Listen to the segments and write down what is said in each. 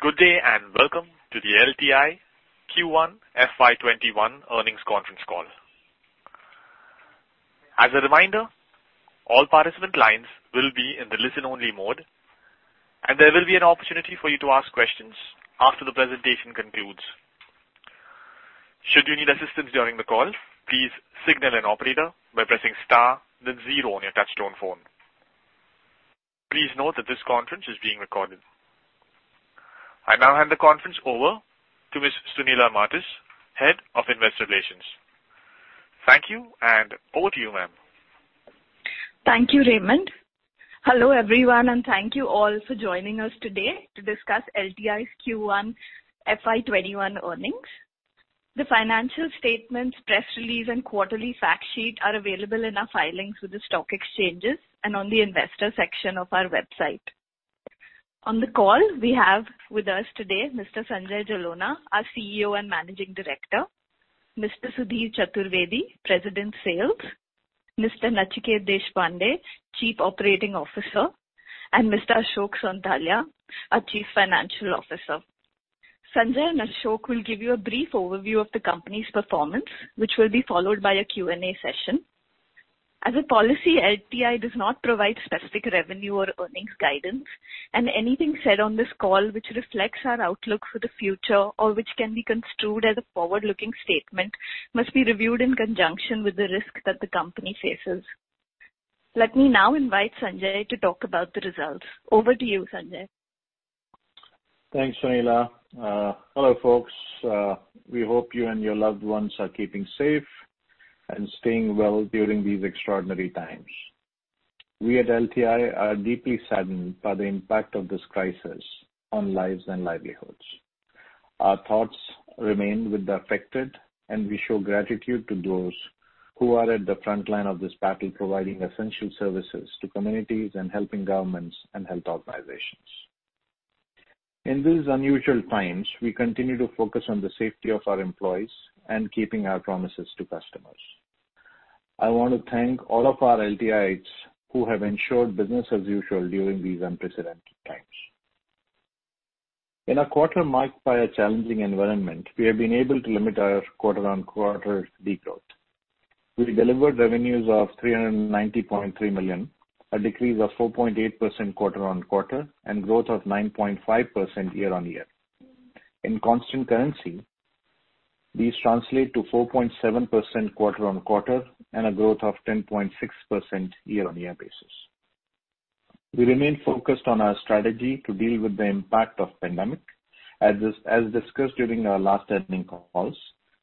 Good day, and welcome to the LTI Q1 FY 2021 earnings conference call. As a reminder, all participant lines will be in the listen-only mode, and there will be an opportunity for you to ask questions after the presentation concludes. Should you need assistance during the call, please signal an operator by pressing star then zero on your touch-tone phone. Please note that this conference is being recorded. I now hand the conference over to Ms. Sunila Martis, head of investor relations. Thank you, and over to you, ma'am. Thank you, Raymond. Hello, everyone, and thank you all for joining us today to discuss LTI's Q1 FY 2021 earnings. The financial statements, press release, and quarterly fact sheet are available in our filings with the stock exchanges and on the investor section of our website. On the call, we have with us today Mr. Sanjay Jalona, our CEO and Managing Director; Mr. Sudhir Chaturvedi, President of Sales; Mr. Nachiket Deshpande, Chief Operating Officer; and Mr. Ashok Sonthalia, our Chief Financial Officer. Sanjay and Ashok will give you a brief overview of the company's performance, which will be followed by a Q&A session. As a policy, LTI does not provide specific revenue or earnings guidance, and anything said on this call which reflects our outlook for the future or which can be construed as a forward-looking statement must be reviewed in conjunction with the risk that the company faces. Let me now invite Sanjay to talk about the results. Over to you, Sanjay. Thanks, Sunila. Hello, folks. We hope you and your loved ones are keeping safe and staying well during these extraordinary times. We at LTI are deeply saddened by the impact of this crisis on lives and livelihoods. Our thoughts remain with the affected, and we show gratitude to those who are at the frontline of this battle providing essential services to communities and helping governments and health organizations. In these unusual times, we continue to focus on the safety of our employees and keeping our promises to customers. I want to thank all of our LTIites who have ensured business as usual during these unprecedented times. In a quarter marked by a challenging environment, we have been able to limit our quarter-on-quarter decline. We delivered revenues of $390.3 million, a decrease of 4.8% quarter-on-quarter and growth of 9.5% year-on-year. In constant currency, these translate to 4.7% quarter-on-quarter and a growth of 10.6% year-on-year basis. We remain focused on our strategy to deal with the impact of the pandemic. As discussed during our last earning calls,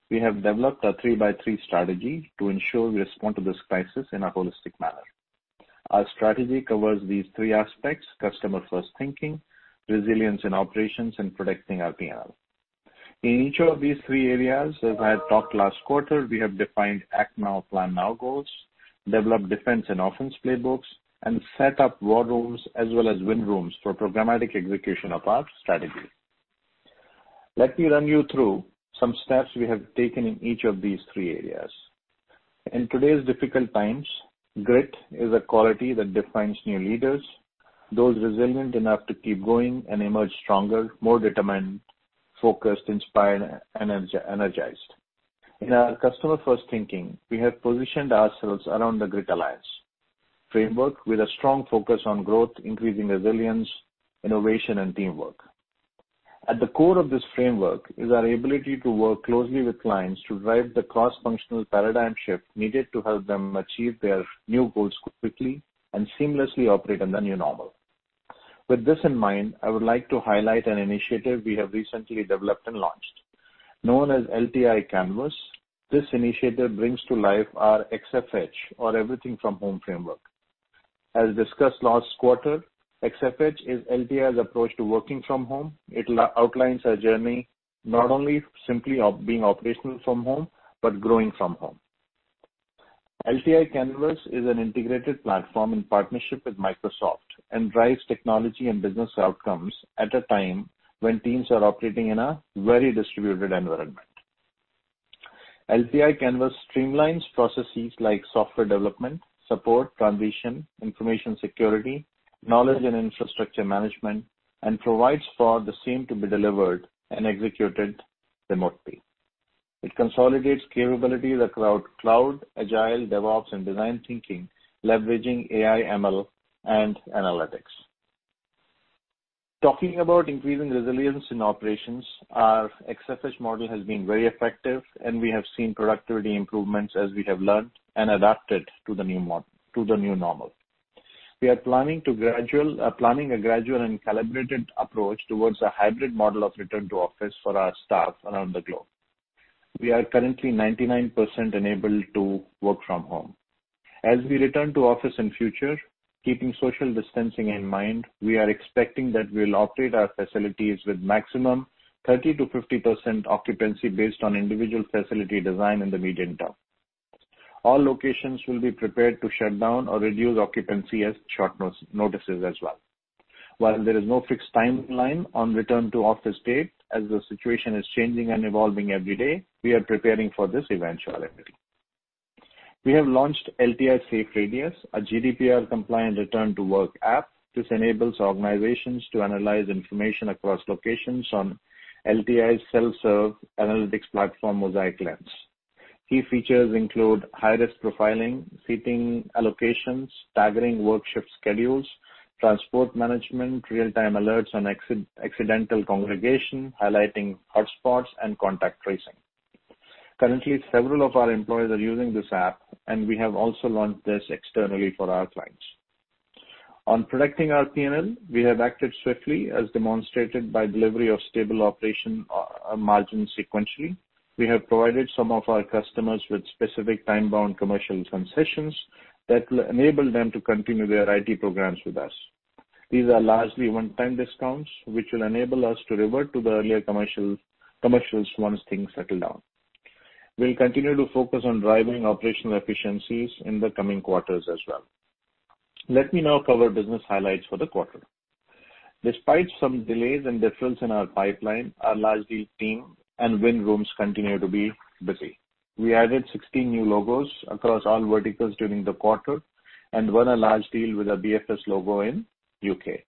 we have developed a three-by-three Strategy to ensure we respond to this crisis in a holistic manner. Our strategy covers these three aspects: Customer-First Thinking, Resilience in Operations, and Protecting our P&L. In each of these three areas, as I had talked last quarter, we have defined Act Now, Plan Now Goals, developed Defense and Offense Playbooks, and set up War Rooms as well as Win Rooms for programmatic execution of our strategy. Let me run you through some steps we have taken in each of these three areas. In today's difficult times, grit is a quality that defines new leaders, those resilient enough to keep going and emerge stronger, more determined, focused, inspired, and energized. In our customer-first thinking, we have positioned ourselves around The Grit Alliance framework with a strong focus on growth, increasing resilience, innovation, and teamwork. At the core of this framework is our ability to work closely with clients to drive the cross-functional paradigm shift needed to help them achieve their new goals quickly and seamlessly operate in the new normal. With this in mind, I would like to highlight an initiative we have recently developed and launched. Known as LTI Canvas, this initiative brings to life our XFH, or Everything from Home framework. As discussed last quarter, XFH is LTI's approach to working from home. It outlines our journey not only simply of being operational from home, but growing from home. LTI Canvas is an integrated platform in partnership with Microsoft and drives technology and business outcomes at a time when teams are operating in a very distributed environment. LTI Canvas streamlines processes like software development, support, transition, information security, knowledge and infrastructure management, and provides for the same to be delivered and executed remotely. It consolidates capabilities across cloud, agile, DevOps, and design thinking, leveraging AI, ML, and analytics. Talking about increasing resilience in operations, our XFH model has been very effective, and we have seen productivity improvements as we have learned and adapted to the new normal. We are planning a gradual and calibrated approach towards a hybrid model of return to office for our staff around the globe. We are currently 99% enabled to work from home. As we return to office in future, keeping social distancing in mind, we are expecting that we'll operate our facilities with maximum 30%-50% occupancy based on individual facility design in the medium term. All locations will be prepared to shut down or reduce occupancy at short notices as well. While there is no fixed timeline on return to office date, as the situation is changing and evolving every day, we are preparing for this eventuality. We have launched LTI SafeRadius, a GDPR compliant return-to-work app. This enables organizations to analyze information across locations on LTI's self-serve analytics platform, Mosaic Lens. Key features include high-risk profiling, seating allocations, staggering work shift schedules, transport management, real-time alerts on accidental congregation, highlighting hotspots, and contact tracing. Currently, several of our employees are using this app, and we have also launched this externally for our clients. On protecting our PNL, we have acted swiftly, as demonstrated by delivery of stable operation margins sequentially. We have provided some of our customers with specific time-bound commercial concessions that will enable them to continue their IT programs with us. These are largely one-time discounts, which will enable us to revert to the earlier commercials once things settle down. We'll continue to focus on driving operational efficiencies in the coming quarters as well. Let me now cover business highlights for the quarter. Despite some delays and deferments in our pipeline, our large deal team and win rooms continue to be busy. We added 16 new logos across all verticals during the quarter and won a large deal with a BFS logo in U.K.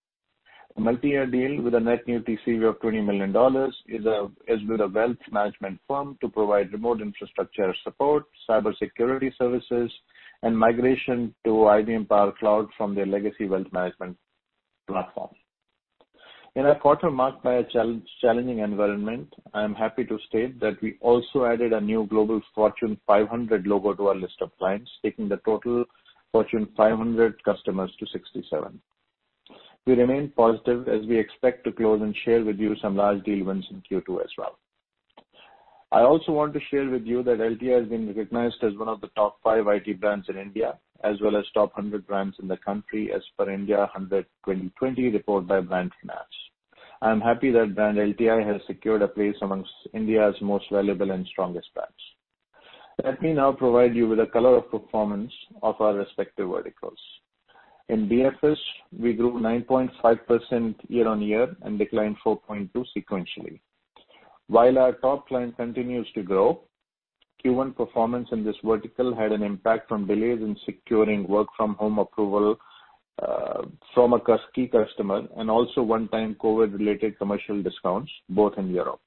A multi-year deal with a net new TCV of $20 million is with a wealth management firm to provide remote infrastructure support, cybersecurity services, and migration to IBM Power Cloud from their legacy wealth management platform. In a quarter marked by a challenging environment, I am happy to state that we also added a new Fortune Global 500 logo to our list of clients, taking the total Fortune Global 500 customers to 67. We remain positive as we expect to close and share with you some large deal wins in Q2 as well. I also want to share with you that LTI has been recognized as one of the top five IT brands in India, as well as top 100 brands in the country, as per Brand Finance India 100 2020 report by Brand Finance. I'm happy that brand LTI has secured a place amongst India's most valuable and strongest brands. Let me now provide you with a color of performance of our respective verticals. In BFS, we grew 9.5% year-on-year and declined 4.2% sequentially. While our top client continues to grow, Q1 performance in this vertical had an impact from delays in securing work-from-home approval from a key customer and also one-time COVID-19-related commercial discounts, both in Europe.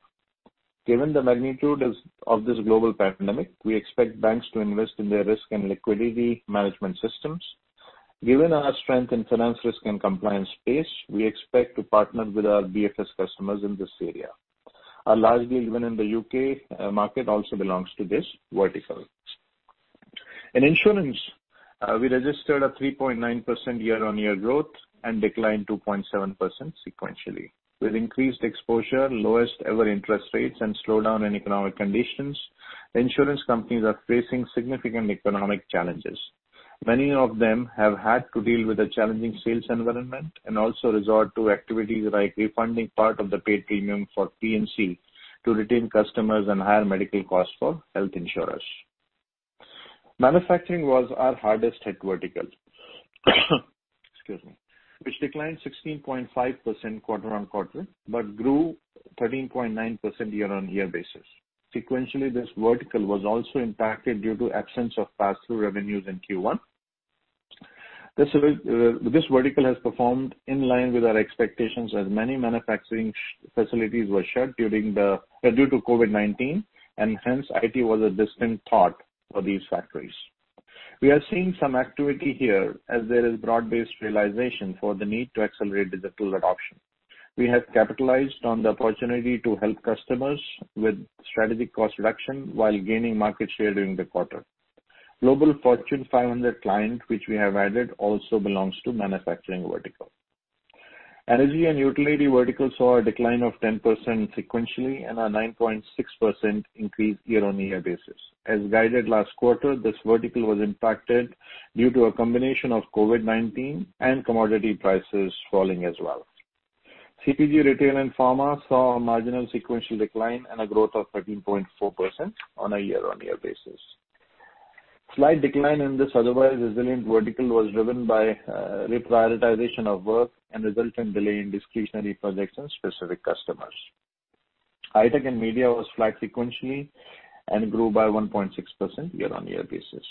Given the magnitude of this global pandemic, we expect banks to invest in their risk and liquidity management systems. Given our strength in finance risk and compliance space, we expect to partner with our BFS customers in this area. A large deal even in the U.K. market also belongs to this vertical. In insurance, we registered a 3.9% year-on-year growth and declined 2.7% sequentially. With increased exposure, lowest ever interest rates, and slowdown in economic conditions, insurance companies are facing significant economic challenges. Many of them have had to deal with a challenging sales environment and also resort to activities like refunding part of the paid premium for P&C to retain customers and higher medical costs for health insurers. Manufacturing was our hardest hit vertical, excuse me, which declined 16.5% quarter-on-quarter, but grew 13.9% year-on-year basis. Sequentially, this vertical was also impacted due to absence of pass-through revenues in Q1. Hence IT was a distant thought for these factories. We are seeing some activity here as there is broad-based realization for the need to accelerate digital adoption. We have capitalized on the opportunity to help customers with strategic cost reduction while gaining market share during the quarter. Global Fortune 500 client, which we have added, also belongs to manufacturing vertical. Energy and utility vertical saw a decline of 10% sequentially and a 9.6% increase year-on-year basis. As guided last quarter, this vertical was impacted due to a combination of COVID-19 and commodity prices falling as well. CPG, retail, and pharma saw a marginal sequential decline and a growth of 13.4% on a year-on-year basis. Slight decline in this otherwise resilient vertical was driven by reprioritization of work and resultant delay in discretionary projects and specific customers. High tech and media was flat sequentially and grew by 1.6% year-on-year basis.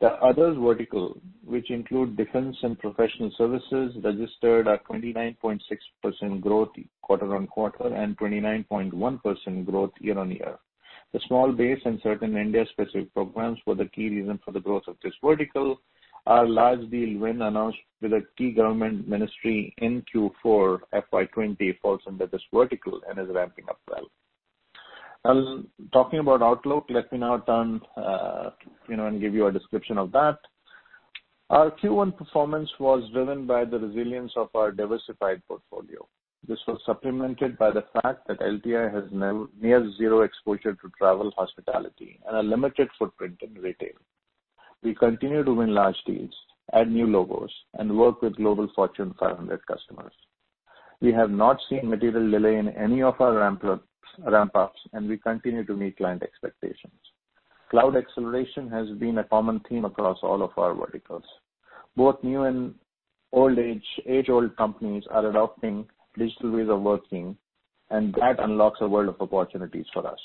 The others vertical, which include defense and professional services, registered a 29.6% growth quarter-on-quarter and 29.1% growth year-on-year. The small base and certain India-specific programs were the key reason for the growth of this vertical. Our large deal win announced with a key government ministry in Q4 FY 2020 falls under this vertical and is ramping up well. Talking about outlook, let me now turn and give you a description of that. Our Q1 performance was driven by the resilience of our diversified portfolio. This was supplemented by the fact that LTI has near zero exposure to travel hospitality and a limited footprint in retail. We continue to win large deals, add new logos, and work with Fortune Global 500 customers. We have not seen material delay in any of our ramp-ups, and we continue to meet client expectations. Cloud acceleration has been a common theme across all of our verticals. Both new and age-old companies are adopting digital ways of working, and that unlocks a world of opportunities for us.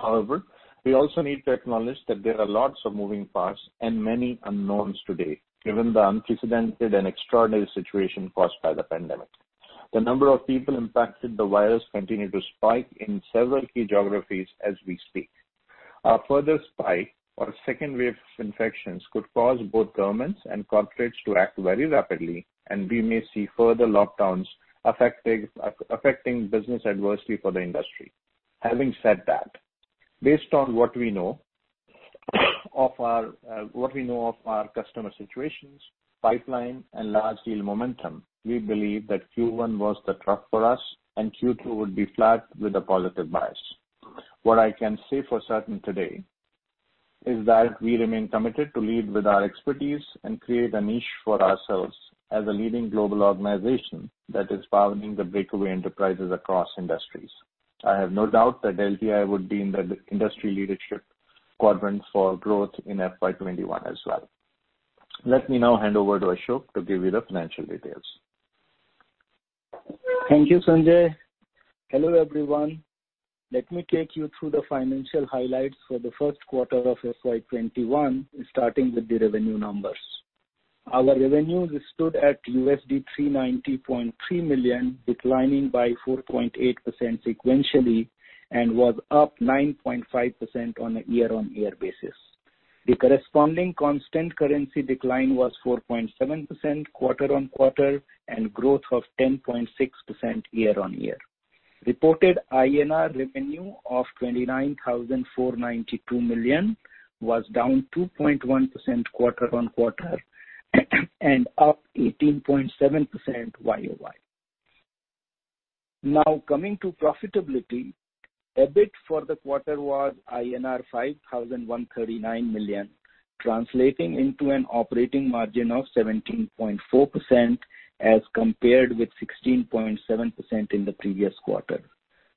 However, we also need to acknowledge that there are lots of moving parts and many unknowns today, given the unprecedented and extraordinary situation caused by the pandemic. The number of people impacted, the virus continue to spike in several key geographies as we speak. A further spike or a second wave of infections could cause both governments and corporates to act very rapidly, and we may see further lockdowns affecting business adversely for the industry. Having said that, based on what we know of our customer situations, pipeline, and large deal momentum, we believe that Q1 was the trough for us and Q2 would be flat with a positive bias. What I can say for certain today is that we remain committed to lead with our expertise and create a niche for ourselves as a leading global organization that is powering the breakaway enterprises across industries. I have no doubt that LTI would be in the industry leadership quadrant for growth in FY 2021 as well. Let me now hand over to Ashok to give you the financial details. Thank you, Sanjay. Hello, everyone. Let me take you through the financial highlights for the first quarter of FY 2021, starting with the revenue numbers. Our revenues stood at USD 390.3 million, declining by 4.8% sequentially, and was up 9.5% on a year-on-year basis. The corresponding constant currency decline was 4.7% quarter-on-quarter and growth of 10.6% year-on-year. Reported INR revenue of 29,492 million was down 2.1% quarter-on-quarter and up 18.7% YOY. Now, coming to profitability. EBIT for the quarter was INR 5,139 million, translating into an operating margin of 17.4% as compared with 16.7% in the previous quarter.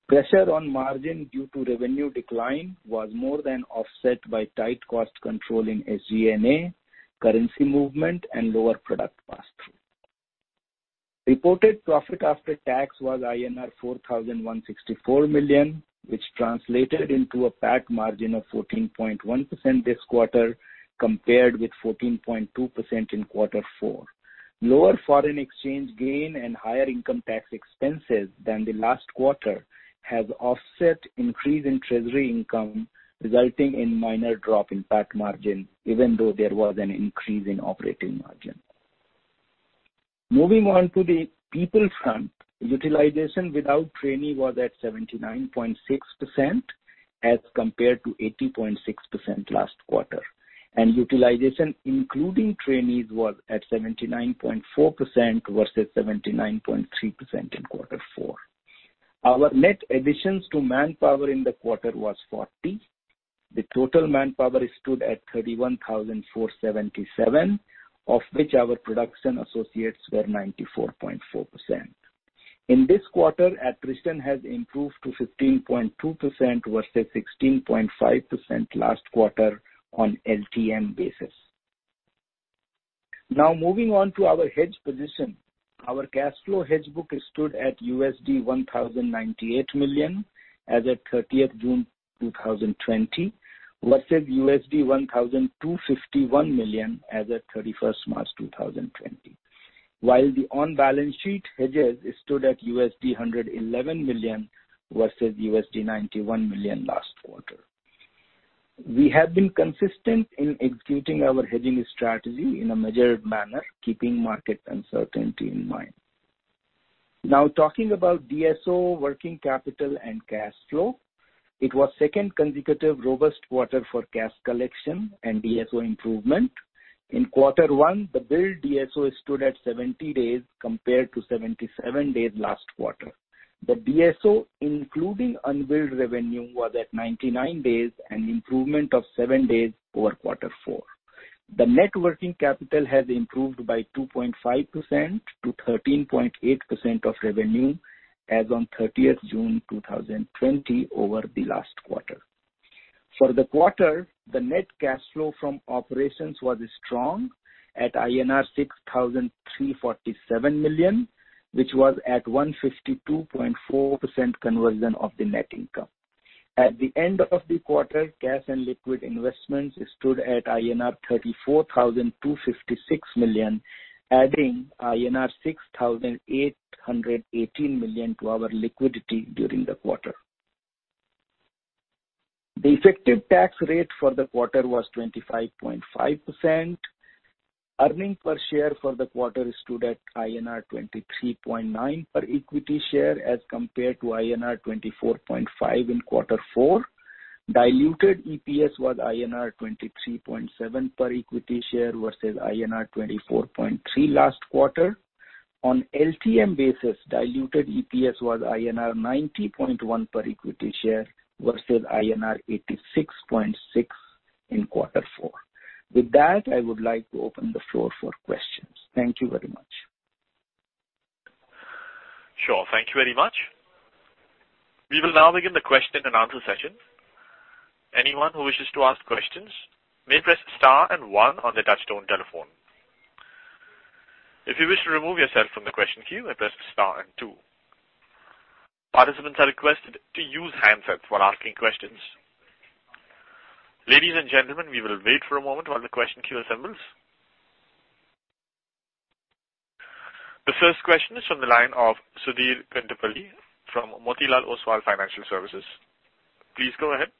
Pressure on margin due to revenue decline was more than offset by tight cost control in SG&A, currency movement, and lower product pass-through. Reported profit after tax was INR 4,164 million, which translated into a PAT margin of 14.1% this quarter, compared with 14.2% in quarter 4. Lower foreign exchange gain and higher income tax expenses than the last quarter have offset increase in treasury income, resulting in minor drop in PAT margin, even though there was an increase in operating margin. Moving on to the people front. Utilization without trainee was at 79.6% as compared to 80.6% last quarter, and utilization including trainees was at 79.4% versus 79.3% in quarter four. Our net additions to manpower in the quarter was 40. The total manpower stood at 31,477, of which our production associates were 94.4%. In this quarter, attrition has improved to 15.2% versus 16.5% last quarter on LTM basis. Now moving on to our hedge position. Our cash flow hedge book stood at $1,098 million as at 30th June 2020 versus $1,251 million as at 31st March 2020. While the on-balance sheet hedges stood at $111 million versus $91 million last quarter. We have been consistent in executing our hedging strategy in a measured manner, keeping market uncertainty in mind. Now talking about DSO, working capital, and cash flow. It was second consecutive robust quarter for cash collection and DSO improvement. In quarter one, the billed DSO stood at 70 days compared to 77 days last quarter. The DSO, including unbilled revenue, was at 99 days, an improvement of seven days over quarter four. The net working capital has improved by 2.5% to 13.8% of revenue as on 30th June 2020 over the last quarter. For the quarter, the net cash flow from operations was strong at INR 6,347 million, which was at 152.4% conversion of the net income. At the end of the quarter, cash and liquid investments stood at INR 34,256 million, adding INR 6,818 million to our liquidity during the quarter. The effective tax rate for the quarter was 25.5%. Earnings per share for the quarter stood at INR 23.9 per equity share as compared to INR 24.5 in quarter four. Diluted EPS was INR 23.7 per equity share versus INR 24.3 last quarter. On LTM basis, diluted EPS was INR 90.1 per equity share versus INR 86.6 in quarter four. With that, I would like to open the floor for questions. Thank you very much. Thank you very much. We will now begin the question and answer session. Anyone who wishes to ask questions may press star and one on their touchtone telephone. If you wish to remove yourself from the question queue, press star and two. Participants are requested to use handsets when asking questions. Ladies and gentlemen, we will wait for a moment while the question queue assembles. The first question is from the line of Sudhir Pintuvally from Motilal Oswal Financial Services. Please go ahead.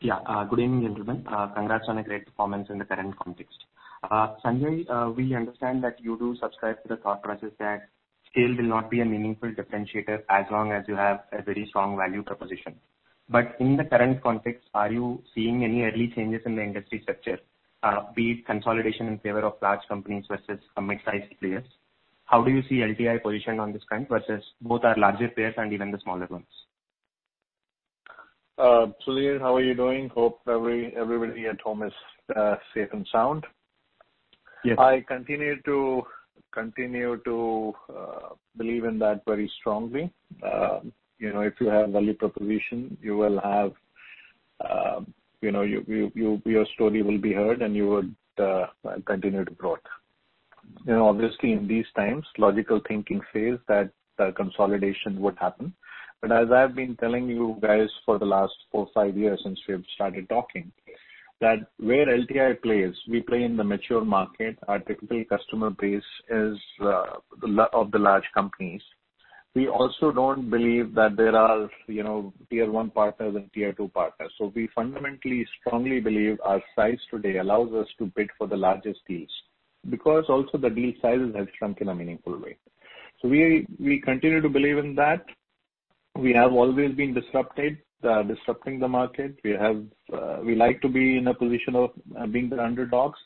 Yeah. Good evening, gentlemen. Congrats on a great performance in the current context. Sanjay, we understand that you do subscribe to the thought process that scale will not be a meaningful differentiator as long as you have a very strong value proposition. In the current context, are you seeing any early changes in the industry structure, be it consolidation in favor of large companies versus mid-size players? How do you see LTI positioned on this front versus both our larger players and even the smaller ones? Sudhir, how are you doing? Hope everybody at home is safe and sound. Yes. I continue to believe in that very strongly. If you have value proposition, your story will be heard, and you would continue to grow. Obviously, in these times, logical thinking says that consolidation would happen. As I've been telling you guys for the last four, five years since we have started talking, that where LTI plays, we play in the mature market. Our typical customer base is of the large companies. We also don't believe that there are tier 1 partners and tier 2 partners. We fundamentally, strongly believe our size today allows us to bid for the largest deals, because also the deal sizes have shrunk in a meaningful way. We continue to believe in that. We have always been disrupting the market. We like to be in a position of being the underdogs,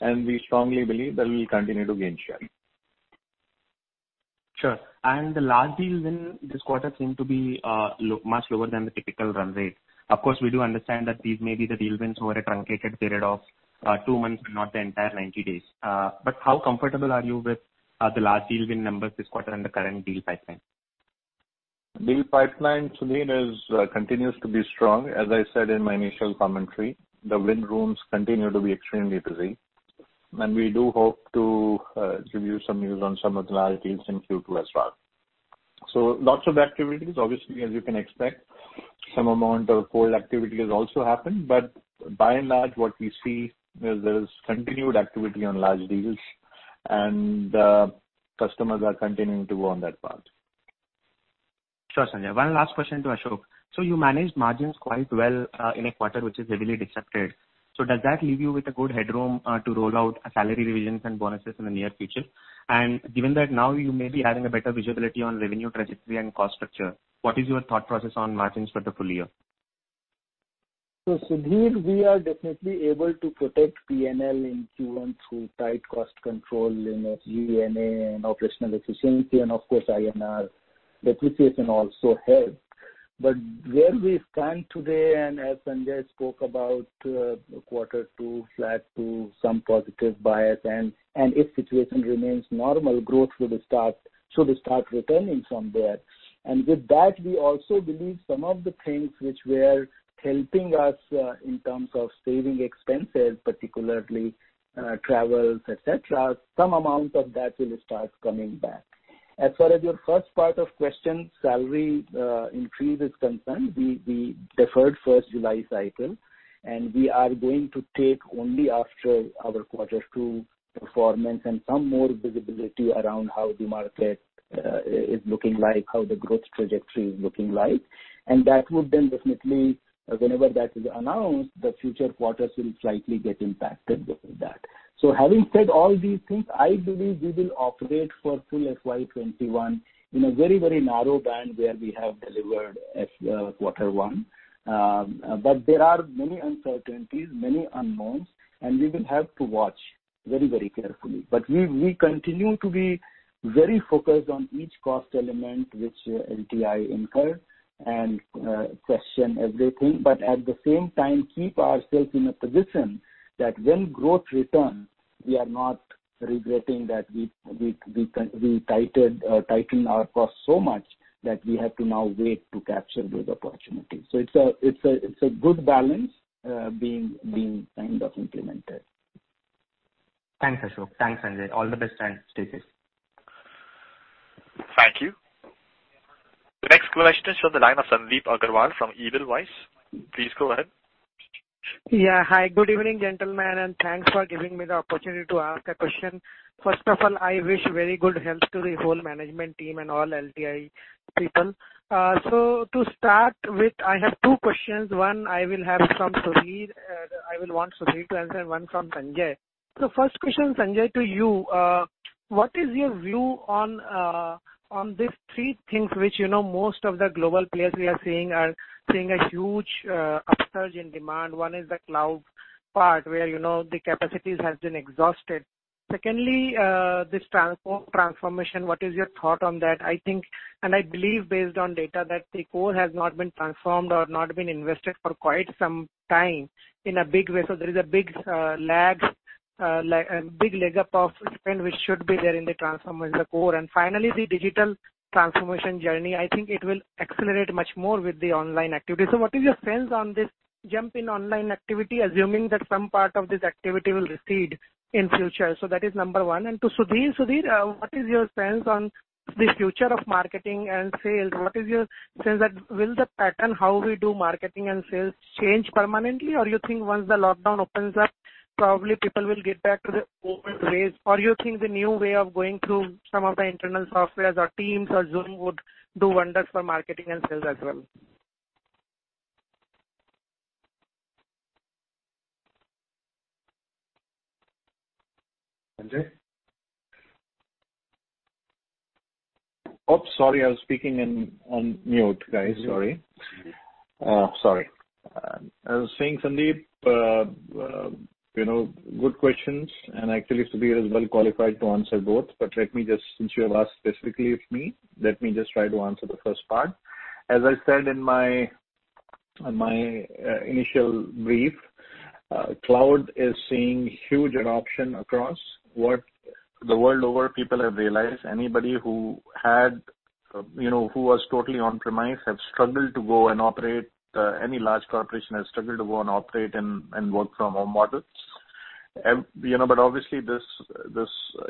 and we strongly believe that we'll continue to gain share. Sure. The large deals in this quarter seem to be much lower than the typical run rate. Of course, we do understand that these may be the deal wins over a truncated period of two months and not the entire 90 days. How comfortable are you with the large deal win numbers this quarter and the current deal pipeline? Deal pipeline, Sudhir, continues to be strong. As I said in my initial commentary, the win rooms continue to be extremely busy, and we do hope to give you some news on some large deals in Q2 as well. Lots of activities. Obviously, as you can expect, some amount of hold activity has also happened, but by and large, what we see is there is continued activity on large deals, and customers are continuing to go on that path. Sure, Sanjay. One last question to Ashok. You managed margins quite well in a quarter which is heavily disrupted. Does that leave you with a good headroom to roll out salary revisions and bonuses in the near future? Given that now you may be having a better visibility on revenue trajectory and cost structure, what is your thought process on margins for the full year? Sudhir, we are definitely able to protect P&L in Q1 through tight cost control in G&A and operational efficiency and of course, INR depreciation also helped. Where we stand today, and as Sanjay spoke about quarter two, flat to some positive bias, and if situation remains normal, growth should start returning from there. With that, we also believe some of the things which were helping us, in terms of saving expenses, particularly travels, et cetera, some amount of that will start coming back. As far as your first part of question, salary increase is concerned, we deferred first July cycle, and we are going to take only after our quarter two performance and some more visibility around how the market is looking like, how the growth trajectory is looking like. That would then definitely, whenever that is announced, the future quarters will slightly get impacted with that. Having said all these things, I believe we will operate for full FY 2021 in a very narrow band where we have delivered quarter one. There are many uncertainties, many unknowns, and we will have to watch very carefully. We continue to be very focused on each cost element which LTI incur and question everything, but at the same time, keep ourselves in a position that when growth returns, we are not regretting that we tighten our cost so much that we have to now wait to capture those opportunities. It's a good balance being kind of implemented. Thanks, Ashok. Thanks, Sanjay. All the best and stay safe. Thank you. The next question is from the line of Sandip Agarwal from Edelweiss. Please go ahead. Hi, good evening, gentlemen, and thanks for giving me the opportunity to ask a question. First of all, I wish very good health to the whole management team and all LTI people. To start with, I have two questions. One, I will want Sudhir to answer and one from Sanjay. First question, Sanjay, to you. What is your view on these three things which most of the global players we are seeing a huge upsurge in demand. One is the cloud part, where the capacities has been exhausted. Secondly, this transformation, what is your thought on that? I think, and I believe based on data, that the core has not been transformed or not been invested for quite some time in a big way. There is a big leg up of spend which should be there in the transform in the core. Finally, the digital transformation journey, I think it will accelerate much more with the online activity. What is your sense on this jump in online activity, assuming that some part of this activity will recede in future? That is number one. To Sudhir. Sudhir, what is your sense on the future of marketing and sales? What is your sense that will the pattern how we do marketing and sales change permanently, or you think once the lockdown opens up, probably people will get back to the old ways? You think the new way of going through some of the internal softwares or Teams or Zoom would do wonders for marketing and sales as well? Sanjay? Oops, sorry, I was speaking on mute, guys. Sorry. I was saying, Sandip, good questions. Actually Sudhir is well qualified to answer both. Let me just, since you have asked specifically with me, let me just try to answer the first part. As I said in my initial brief, cloud is seeing huge adoption across what the world over people have realized. Anybody who was totally on-premise have struggled to go and operate. Any large corporation has struggled to go and operate and work from home models. Obviously, this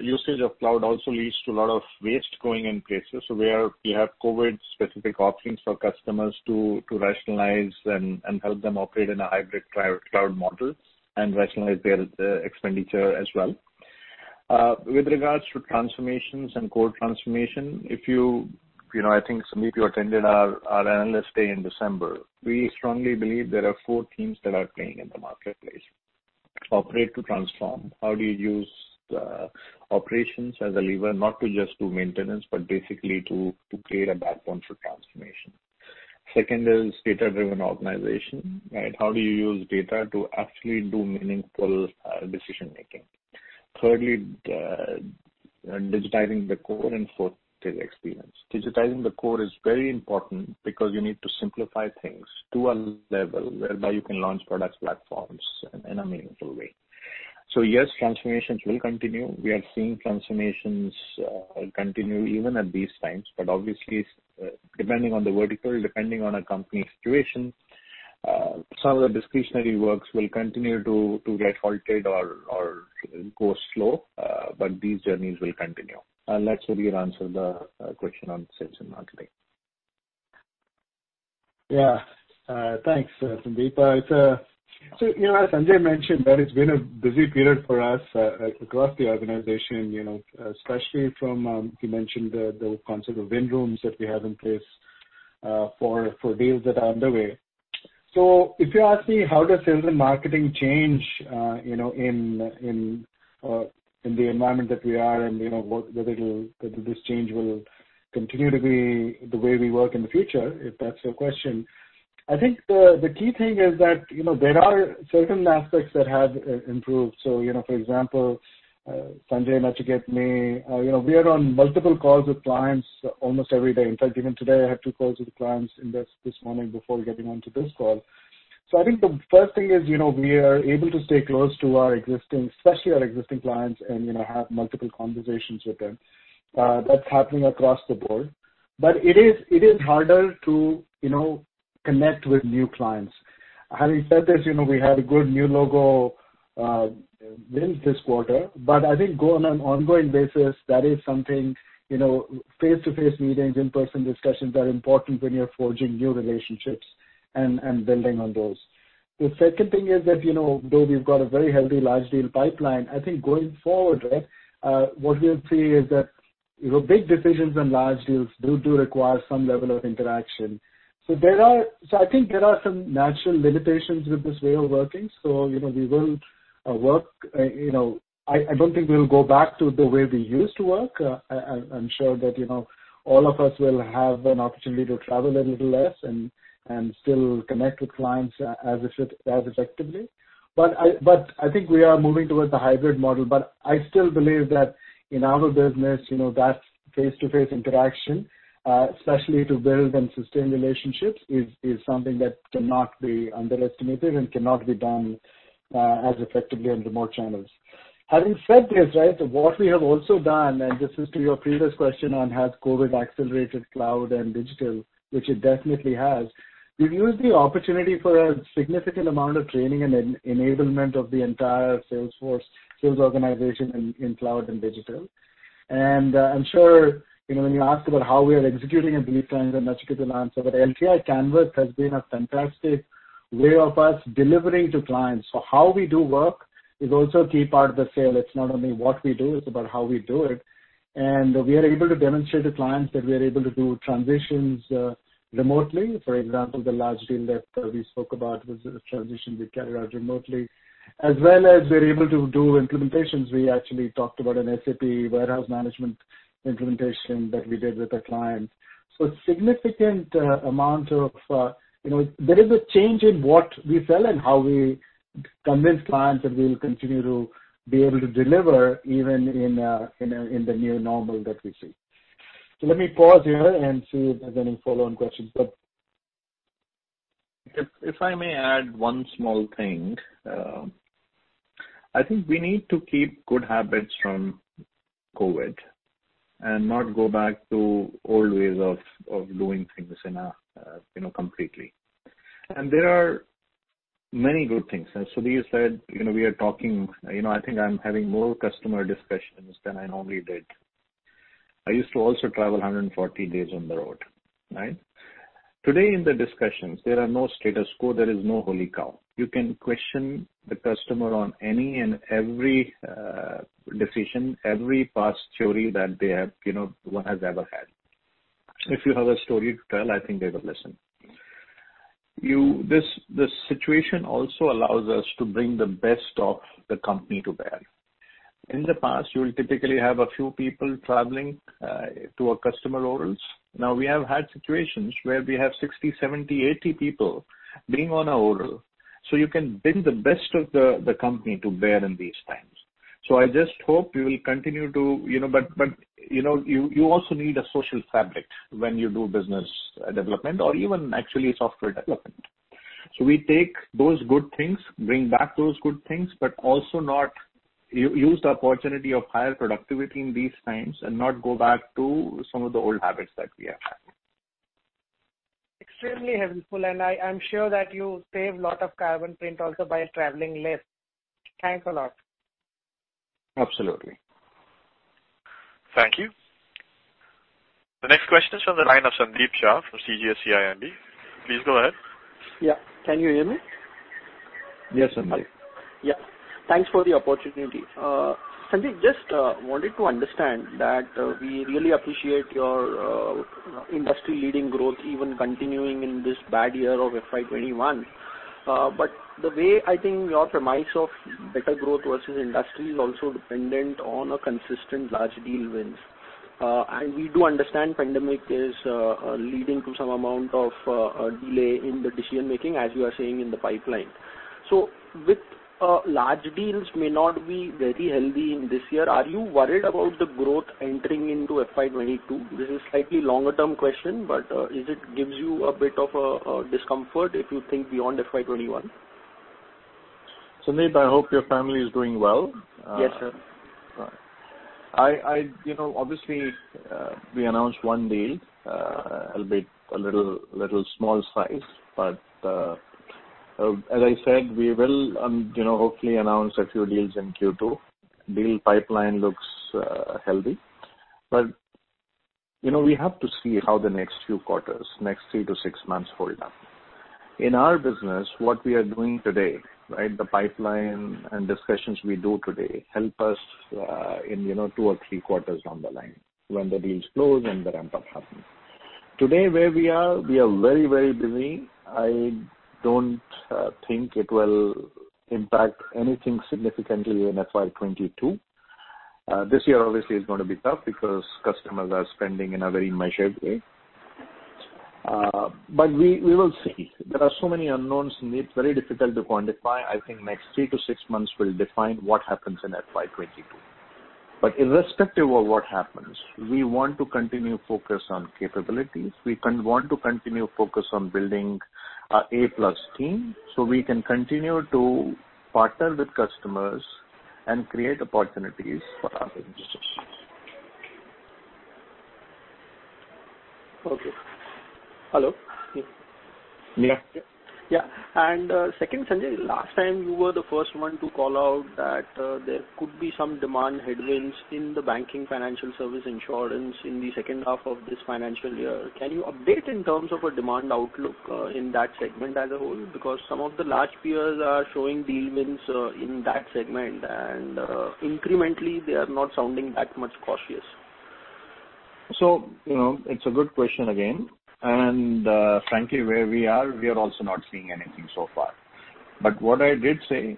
usage of cloud also leads to a lot of waste going in places. We have COVID-specific offerings for customers to rationalize and help them operate in a hybrid cloud model and rationalize their expenditure as well. With regards to transformations and core transformation, I think, Sandip, you attended our analyst day in December. We strongly believe there are four themes that are playing in the marketplace. Operate to transform. How do you use operations as a lever not to just do maintenance, but basically to create a backbone for transformation? Second is data-driven organization. How do you use data to actually do meaningful decision-making? Thirdly, digitizing the core, and fourth is experience. Digitizing the core is very important because you need to simplify things to a level whereby you can launch product platforms in a meaningful way. Yes, transformations will continue. We are seeing transformations continue even at these times. Obviously, depending on the vertical, depending on a company's situation, some of the discretionary works will continue to get halted or go slow. These journeys will continue. Let Sudhir answer the question on sales and marketing. Yeah. Thanks, Sandip. As Sanjay mentioned, that it's been a busy period for us across the organization, especially from, he mentioned the concept of win rooms that we have in place for deals that are underway. If you ask me how does sales and marketing change in the environment that we are and whether this change will continue to be the way we work in the future, if that's your question. I think the key thing is that there are certain aspects that have improved. For example, Sanjay and Nachiket and me, we are on multiple calls with clients almost every day. In fact, even today, I had two calls with clients this morning before getting onto this call. I think the first thing is we are able to stay close to our existing, especially our existing clients and have multiple conversations with them. That's happening across the board. It is harder to connect with new clients. Having said this, we had a good new logo win this quarter. I think on an ongoing basis, that is something, face-to-face meetings, in-person discussions are important when you're forging new relationships and building on those. The second thing is that though we've got a very healthy large deal pipeline, I think going forward, what we'll see is that big decisions and large deals do require some level of interaction. I think there are some natural limitations with this way of working. I don't think we'll go back to the way we used to work. I'm sure that all of us will have an opportunity to travel a little less and still connect with clients as effectively. I think we are moving towards the hybrid model. I still believe that in our business, that face-to-face interaction, especially to build and sustain relationships, is something that cannot be underestimated and cannot be done as effectively under more channels. Having said this, what we have also done, and this is to your previous question on has COVID accelerated cloud and digital, which it definitely has. We've used the opportunity for a significant amount of training and enablement of the entire sales force, sales organization in cloud and digital. I'm sure when you ask about how we are executing, I believe Sanjay and Nachiket will answer. LTI Canvas has been a fantastic way of us delivering to clients. How we do work is also a key part of the sale. It's not only what we do, it's about how we do it. We are able to demonstrate to clients that we are able to do transitions remotely. For example, the large deal that we spoke about was a transition we carried out remotely. As well as we're able to do implementations. We actually talked about an SAP warehouse management implementation that we did with a client. There is a change in what we sell and how we convince clients that we'll continue to be able to deliver even in the new normal that we see. Let me pause here and see if there's any follow-on questions. If I may add one small thing. I think we need to keep good habits from COVID and not go back to old ways of doing things completely. There are many good things. Sudhir said we are talking. I think I'm having more customer discussions than I normally did. I used to also travel 140 days on the road. Today, in the discussions, there are no status quo. There is no holy cow. You can question the customer on any and every decision, every past theory that one has ever had. If you have a story to tell, I think they will listen. This situation also allows us to bring the best of the company to bear. In the past, you will typically have a few people traveling to our customer orals. Now we have had situations where we have 60, 70, 80 people being on our oral. You can bring the best of the company to bear in these times. I just hope we will continue. You also need a social fabric when you do business development or even actually software development. We take those good things, bring back those good things, but also use the opportunity of higher productivity in these times and not go back to some of the old habits that we have had. Extremely helpful, and I'm sure that you save lot of carbon footprint also by traveling less. Thanks a lot. Absolutely. Thank you. The next question is from the line of Sandeep Shah from CGS-CIMB. Please go ahead. Yeah. Can you hear me? Yes, Sandeep. Thanks for the opportunity. Sandeep, just wanted to understand that we really appreciate your industry-leading growth even continuing in this bad year of FY 2021. The way I think your premise of better growth versus industry is also dependent on a consistent large deal wins. We do understand pandemic is leading to some amount of delay in the decision-making, as you are saying, in the pipeline. With large deals may not be very healthy in this year, are you worried about the growth entering into FY 2022? This is slightly longer-term question, but is it gives you a bit of a discomfort if you think beyond FY 2021? Sandeep, I hope your family is doing well. Yes, sir. Obviously, we announced one deal, albeit a little small size, but as I said, we will hopefully announce a few deals in Q2. Deal pipeline looks healthy. We have to see how the next few quarters, next three to six months hold up. In our business, what we are doing today, the pipeline and discussions we do today help us in two or three quarters down the line when the deals close and the ramp-up happens. Today, where we are, we are very busy. I don't think it will impact anything significantly in FY 2022. This year obviously is going to be tough because customers are spending in a very measured way. We will see. There are so many unknowns, and it's very difficult to quantify. I think next three to six months will define what happens in FY 2022. Irrespective of what happens, we want to continue focus on capabilities. We want to continue focus on building our A-plus team so we can continue to partner with customers and create opportunities for our business. Okay. Hello? Yeah. Yeah. Second, Sandeep, last time you were the first one to call out that there could be some demand headwinds in the banking financial service insurance in the second half of this financial year. Can you update in terms of a demand outlook in that segment as a whole? Some of the large peers are showing deal wins in that segment, and incrementally, they are not sounding that much cautious. It's a good question again. Frankly, where we are, we are also not seeing anything so far. What I did say,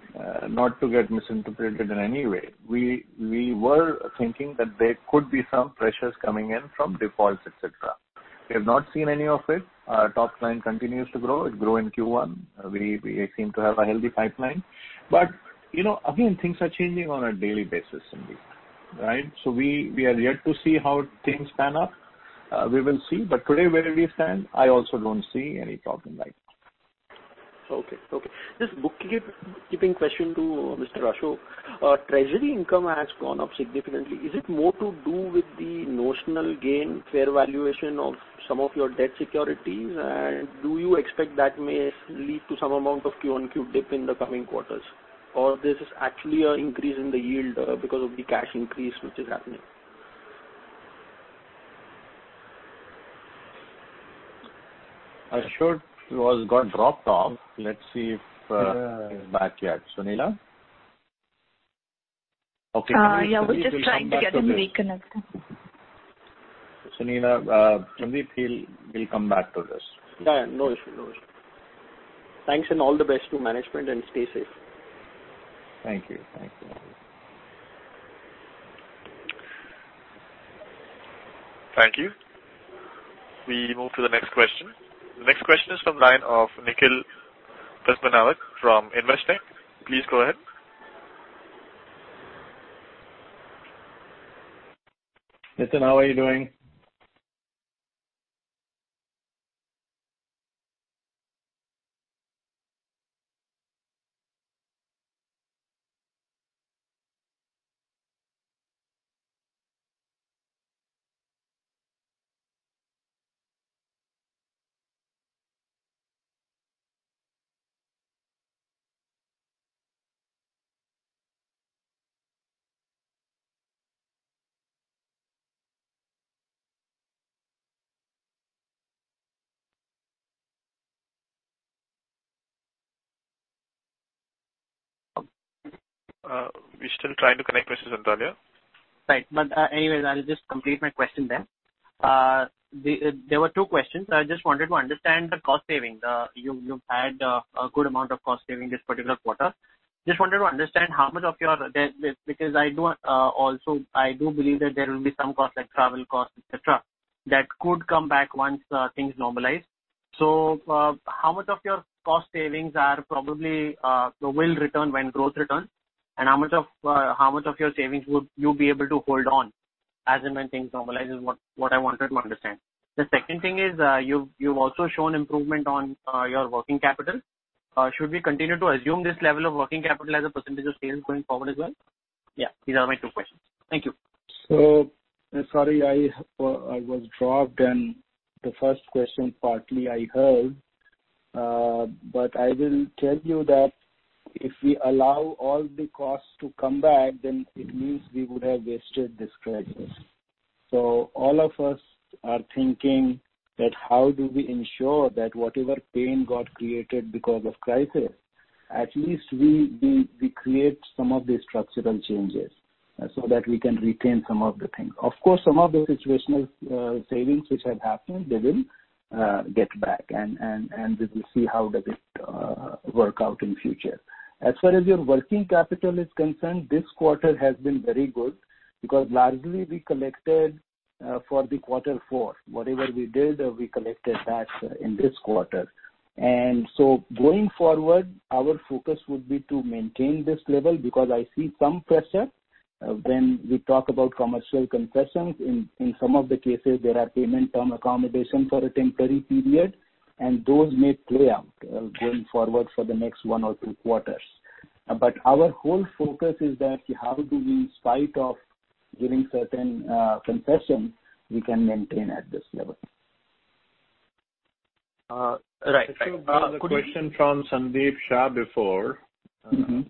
not to get misinterpreted in any way, we were thinking that there could be some pressures coming in from defaults, et cetera. We have not seen any of it. Our top line continues to grow. It grew in Q1. We seem to have a healthy pipeline. Again, things are changing on a daily basis, Sandeep. We are yet to see how things pan up. We will see. Today, where we stand, I also don't see any problem right now. Okay. Just bookkeeping question to Mr. Ashok. Treasury income has gone up significantly. Is it more to do with the notional gain fair valuation of some of your debt securities? Do you expect that may lead to some amount of Q-on-Q dip in the coming quarters? This is actually an increase in the yield because of the cash increase which is happening? Ashok got dropped off. Let's see if he's back yet. Sunila? Okay. Yeah. We're just trying to get him reconnect. Sunila, Sandeep, he'll come back to this. Yeah. No issue. Thanks and all the best to management, and stay safe. Thank you. Thank you. We move to the next question. The next question is from line of Nitin Padmadabhan from Investec. Please go ahead. Nitin, how are you doing? We're still trying to connect Mr. Sonthalia. Right. Anyways, I'll just complete my question then. There were two questions. I just wanted to understand the cost saving. You've had a good amount of cost saving this particular quarter. Just wanted to understand how much of your Because I do believe that there will be some costs, like travel costs, et cetera, that could come back once things normalize. How much of your cost savings probably will return when growth returns, and how much of your savings would you be able to hold on, as and when things normalize, is what I wanted to understand. The second thing is, you've also shown improvement on your working capital. Should we continue to assume this level of working capital as a % of sales going forward as well? These are my two questions. Thank you. Sorry, I was dropped and the first question partly I heard. I will tell you that if we allow all the costs to come back, then it means we would have wasted this crisis. All of us are thinking that how do we ensure that whatever pain got created because of crisis, at least we create some of the structural changes so that we can retain some of the things. Of course, some of the situational savings which have happened, they will get back and we will see how does it work out in future. As far as your working capital is concerned, this quarter has been very good because largely we collected for the quarter four. Whatever we billed, we collected that in this quarter. Going forward, our focus would be to maintain this level because I see some pressure when we talk about commercial concessions. In some of the cases, there are payment term accommodations for a temporary period, and those may play out going forward for the next one or two quarters. Our whole focus is that how do we, in spite of giving certain concessions, we can maintain at this level. Right. There was a question from Sandeep Shah before. His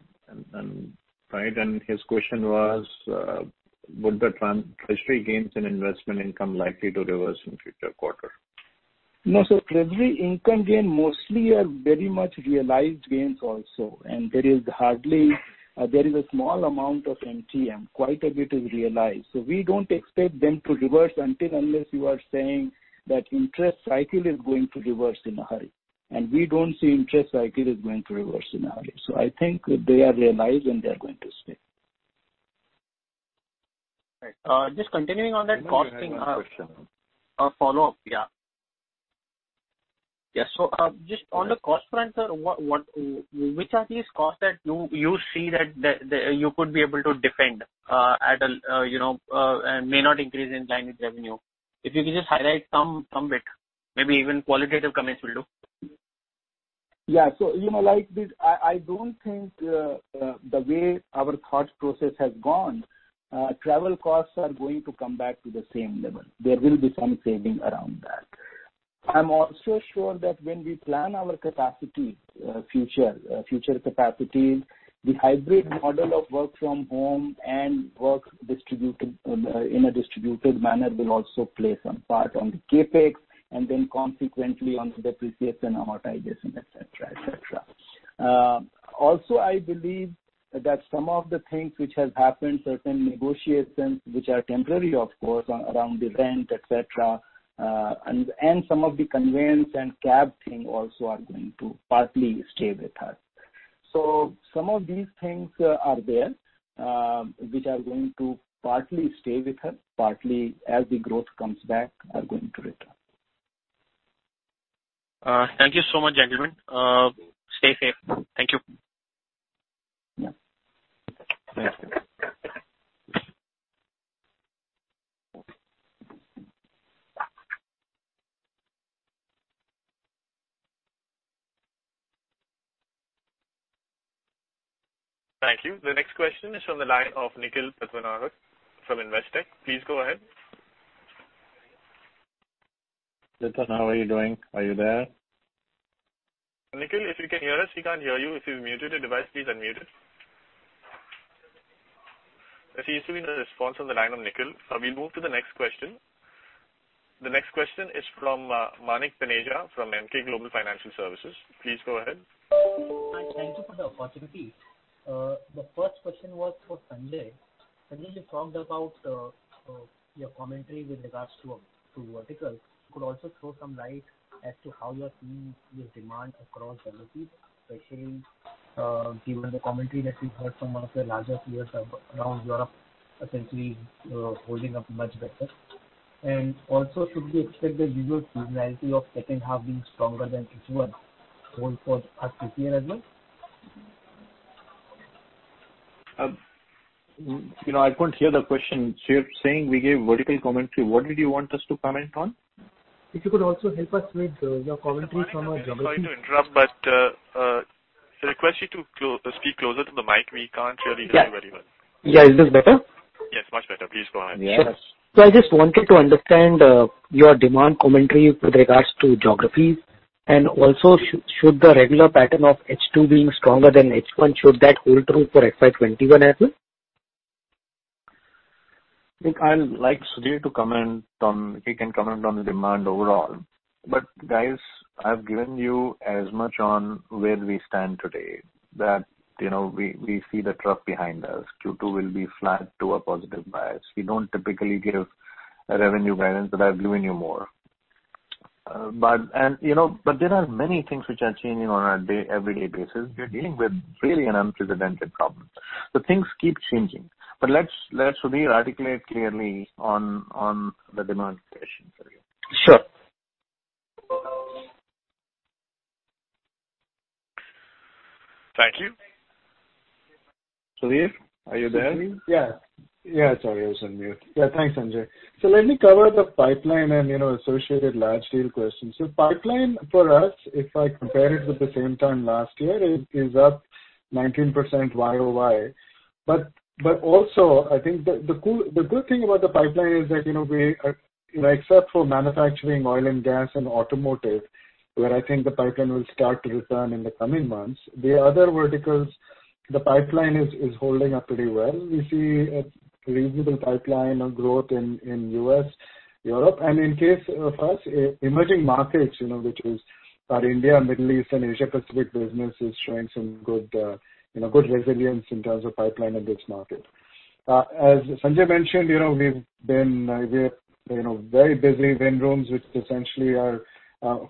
question was, would the treasury gains and investment income likely to reverse in future quarter? No. Treasury income gain mostly are very much realized gains also, and there is a small amount of MTM, quite a bit is realized. We don't expect them to reverse until unless you are saying that interest cycle is going to reverse in a hurry. We don't see interest cycle is going to reverse in a hurry. I think they are realized, and they are going to stay. Right. Just continuing on that. Nitin, I have a question? A follow-up. Yeah. Just on the cost front, sir, which are these costs that you see that you could be able to defend and may not increase in line with revenue? If you could just highlight some bit, maybe even qualitative comments will do. I don't think the way our thought process has gone, travel costs are going to come back to the same level. There will be some saving around that. I'm also sure that when we plan our capacity, future capacities, the hybrid model of work from home and work in a distributed manner will also play some part on the CapEx and then consequently on depreciation, amortization, et cetera. I believe that some of the things which has happened, certain negotiations, which are temporary of course, around the rent, et cetera, and some of the conveyance and cab thing also are going to partly stay with us. Some of these things are there, which are going to partly stay with us, partly as the growth comes back, are going to return. Thank you so much, gentlemen. Stay safe. Thank you. Yeah. Thanks. Thank you. The next question is from the line of Nitin Padmanabhan from Investec. Please go ahead. Nitin Padmanabhan, how are you doing? Are you there? Nitin, if you can hear us, we can't hear you. If you've muted your device, please unmute it. As we're still waiting on a response from the line of Nitin, we'll move to the next question. The next question is from Manik Taneja from Emkay Global Financial Services. Please go ahead. Hi, thank you for the opportunity. The first question was for Sanjay. Sanjay, you talked about your commentary with regards to verticals. You could also throw some light as to how you are seeing your demand across geographies, especially given the commentary that we heard from one of the largest peers around Europe, essentially holding up much better. Also, should we expect the usual seasonality of second half being stronger than Q1 hold for us this year as well? I couldn't hear the question. You're saying we gave vertical commentary. What did you want us to comment on? If you could also help us with your commentary from a geography- Sorry to interrupt, but I request you to speak closer to the mic. We can't hear you very well. Yeah. Is this better? Yes, much better. Please go ahead. I just wanted to understand your demand commentary with regards to geographies. Also, should the regular pattern of H2 being stronger than H1, should that hold true for FY 2021 as well? I think I'll like Sudhir to comment on, if he can comment on the demand overall. Guys, I've given you as much on where we stand today, that we see the trough behind us. Q2 will be flat to a positive bias. We don't typically give a revenue guidance, I've given you more. There are many things which are changing on an everyday basis. We're dealing with really an unprecedented problem. Things keep changing. Let Sudhir articulate clearly on the demand question for you. Sure. Thank you. Sudhir, are you there? Sorry, I was on mute. Thanks, Sanjay. Let me cover the pipeline and associated large deal questions. Pipeline for us, if I compare it with the same time last year, it is up 19% YOY. Also, I think the good thing about the pipeline is that, except for manufacturing, oil and gas, and automotive, where I think the pipeline will start to return in the coming months. The other verticals, the pipeline is holding up pretty well. We see a reasonable pipeline of growth in U.S., Europe, and in case of us, emerging markets, which is our India, Middle East, and Asia Pacific business is showing some good resilience in terms of pipeline in this market. As Sanjay mentioned, we have very busy win rooms, which essentially are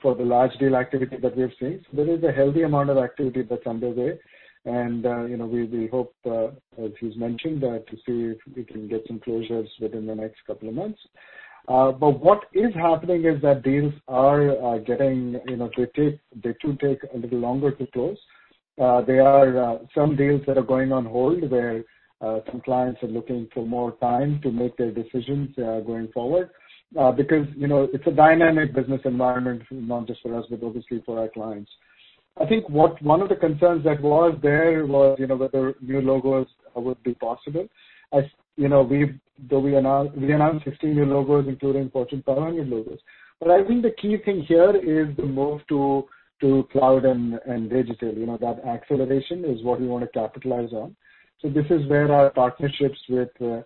for the large deal activity that we have seen. There is a healthy amount of activity that's underway. We hope, as he's mentioned, to see if we can get some closures within the next couple of months. What is happening is that deals they do take a little longer to close. There are some deals that are going on hold where some clients are looking for more time to make their decisions going forward. It's a dynamic business environment, not just for us, but obviously for our clients. I think one of the concerns that was there was whether new logos would be possible. As you know, we announced 16 new logos, including Fortune 1000 logos. I think the key thing here is the move to cloud and digital. That acceleration is what we want to capitalize on. This is where our partnerships with the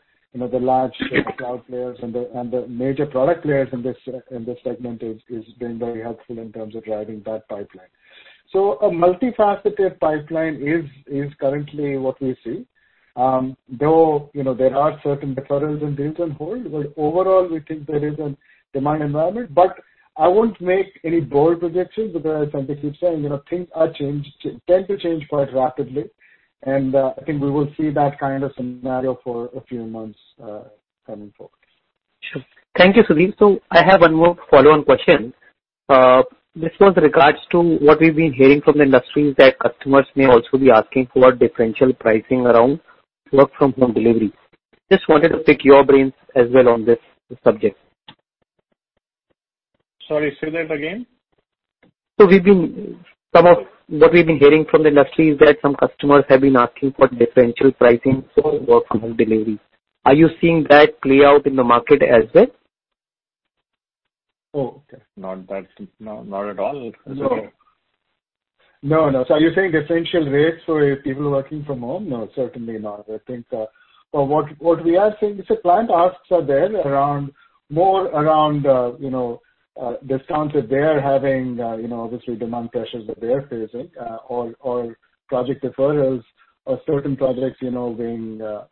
large cloud players and the major product players in this segment is being very helpful in terms of driving that pipeline. A multifaceted pipeline is currently what we see. Though there are certain deferrals and deals on hold, overall, we think there is a demand environment. I wouldn't make any bold projections because as Sanjay keeps saying, things tend to change quite rapidly, and I think we will see that kind of scenario for a few months coming forward. Sure. Thank you, Sudhir. I have one more follow-on question. This was in regards to what we've been hearing from the industry, is that customers may also be asking for differential pricing around work from home delivery. Just wanted to pick your brains as well on this subject. Sorry, say that again. What we've been hearing from the industry is that some customers have been asking for differential pricing for work from home delivery. Are you seeing that play out in the market as well? Oh, okay. Not at all. No. No. Are you saying differential rates for people working from home? No, certainly not. I think what we are seeing is the client asks are there more around discounts that they're having, obviously demand pressures that they're facing or project deferrals or certain projects, the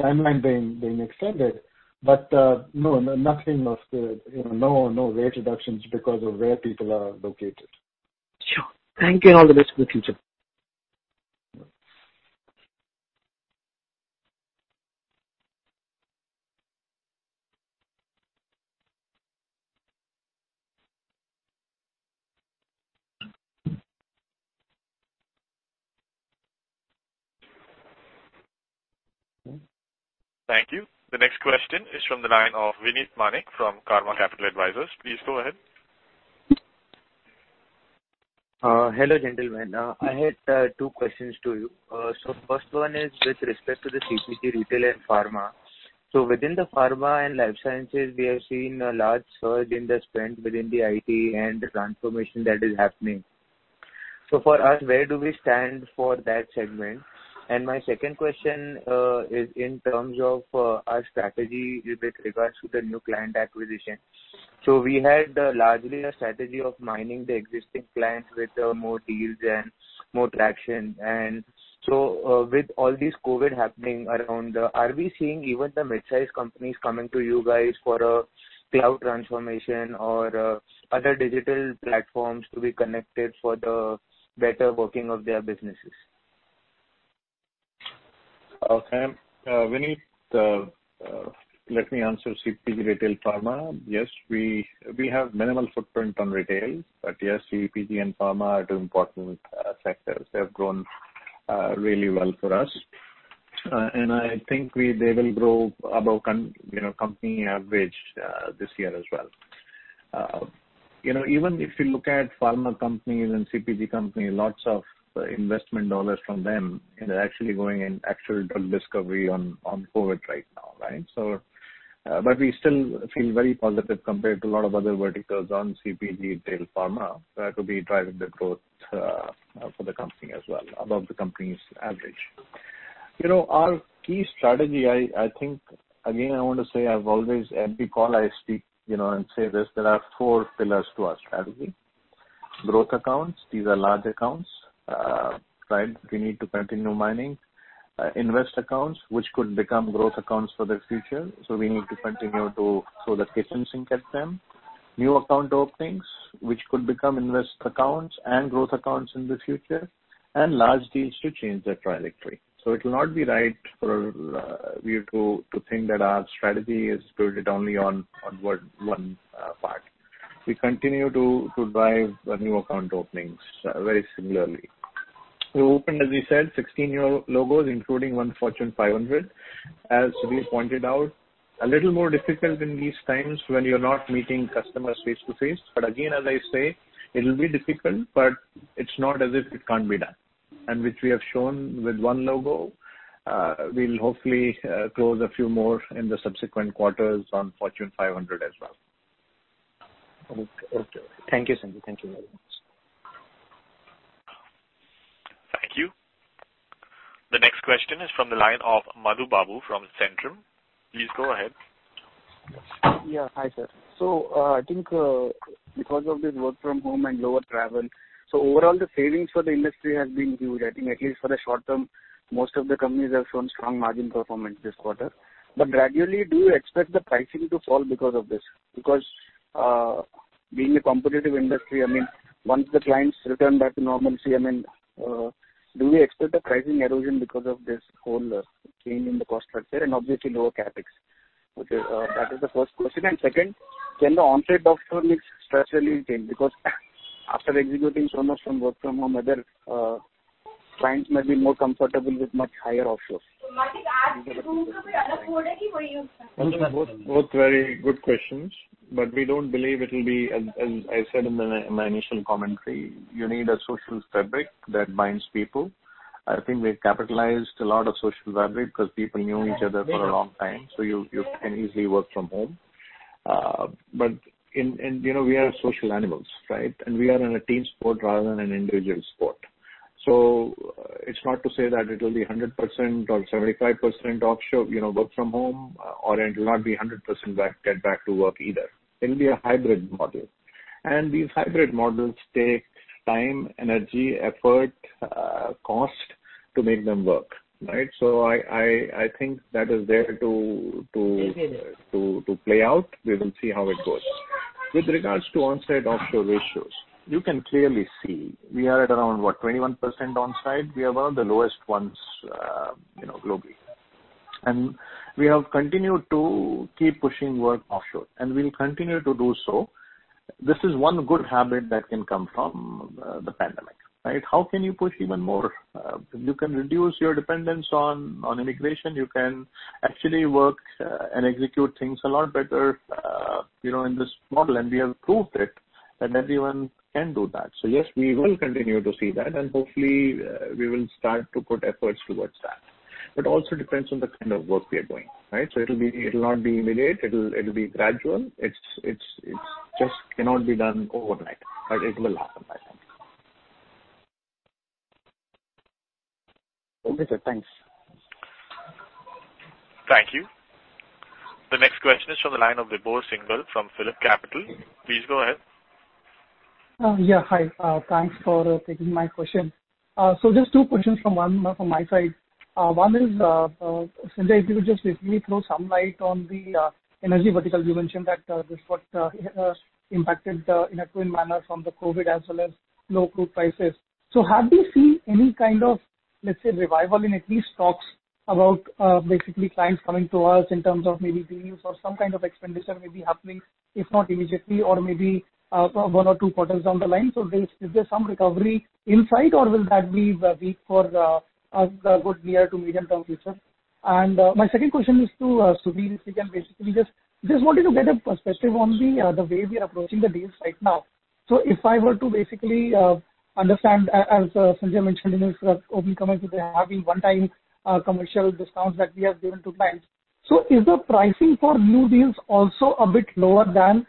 timeline being extended. No rate reductions because of where people are located. Sure. Thank you. All the best for the future. Thanks. Thank you. The next question is from the line of Vinit Manek from Karma Capital Advisors. Please go ahead. Hello, gentlemen. I had two questions to you. First one is with respect to the CPG retail and pharma. Within the pharma and life sciences, we have seen a large surge in the spend within the IT and the transformation that is happening. For us, where do we stand for that segment? My second question is in terms of our strategy with regards to the new client acquisition. We had largely a strategy of mining the existing clients with more deals and more traction. With all this COVID happening around, are we seeing even the mid-size companies coming to you guys for a cloud transformation or other digital platforms to be connected for the better working of their businesses? Okay. Vinit, let me answer CPG, retail, pharma. Yes, we have minimal footprint on retail. Yes, CPG and pharma are two important sectors. They have grown really well for us. I think they will grow above company average this year as well. Even if you look at pharma companies and CPG companies, lots of investment dollars from them is actually going in actual drug discovery on COVID right now. We still feel very positive compared to a lot of other verticals on CPG, retail, pharma. That could be driving the growth for the company as well, above the company's average. Our key strategy, I think, again, I want to say, every call I speak and say this: there are four pillars to our strategy. Growth accounts, these are large accounts. We need to continue mining. Invest accounts, which could become growth accounts for the future. We need to continue to throw that kitchen sink at them. New account openings, which could become invest accounts and growth accounts in the future, and large deals to change their trajectory. It will not be right for you to think that our strategy is built only on one part. We continue to drive new account openings very similarly. We opened, as we said, 16 new logos, including one Fortune 500. As we pointed out, a little more difficult in these times when you're not meeting customers face-to-face. Again, as I say, it will be difficult, but it's not as if it can't be done. Which we have shown with one logo. We'll hopefully close a few more in the subsequent quarters on Fortune 500 as well. Okay. Thank you, Sanjay. Thank you very much. Thank you. The next question is from the line of Madhu Babu from Centrum. Please go ahead. Yeah. Hi, sir. I think because of this work from home and lower travel, overall, the savings for the industry has been huge. I think at least for the short term, most of the companies have shown strong margin performance this quarter. Gradually, do you expect the pricing to fall because of this? Being a competitive industry, once the clients return back to normalcy, do we expect a pricing erosion because of this whole change in the cost structure and obviously lower CapEx? That is the first question. Second, can the onsite-offshore mix structurally change? After executing so much from work from home, other clients might be more comfortable with much higher offshore. Both very good questions, but we don't believe it'll be, as I said in my initial commentary, you need a social fabric that binds people. I think we've capitalized a lot of social fabric because people knew each other for a long time, so you can easily work from home. We are social animals. We are in a team sport rather than an individual sport. It's not to say that it will be 100% or 75% offshore work from home, or it will not be 100% get back to work either. It will be a hybrid model. These hybrid models take time, energy, effort, cost to make them work. I think that is there to play out. We will see how it goes. With regards to onsite-offshore ratios, you can clearly see we are at around, what, 21% onsite. We are one of the lowest ones globally. We have continued to keep pushing work offshore, and we'll continue to do so. This is one good habit that can come from the pandemic. How can you push even more? You can reduce your dependence on immigration. You can actually work and execute things a lot better in this model, and we have proved it, and everyone can do that. Yes, we will continue to see that, and hopefully, we will start to put efforts towards that. Also depends on the kind of work we are doing. It will not be immediate. It'll be gradual. It just cannot be done overnight, but it will happen, I think. Okay, sir. Thanks. Thank you. The next question is from the line of Vibhor Singhal from PhillipCapital. Please go ahead. Yeah, hi. Thanks for taking my question. Just two questions from my side. One is, Sanjay, if you could just briefly throw some light on the energy vertical. You mentioned that this got impacted in a twin manner from the COVID as well as low crude prices. Have we seen any kind of, let's say, revival in at least talks about basically clients coming to us in terms of maybe deals or some kind of expenditure maybe happening, if not immediately or maybe one or two quarters down the line? Is there some recovery in sight, or will that be weak for a good year to medium-term future? My second question is to Sudhir. If we can basically just wanted to get a perspective on the way we are approaching the deals right now. If I were to basically understand, as Sanjay mentioned in his opening comments, we are having one-time commercial discounts that we have given to clients. Is the pricing for new deals also a bit lower than